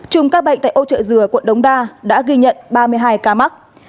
chùm ca bệnh tại âu trợ dừa quận đống đa đã ghi nhận ba mươi hai ca mắc